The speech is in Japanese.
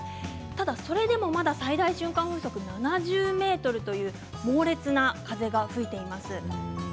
ただ、それでも最大瞬間風速７０ｍという猛烈な風が吹いています。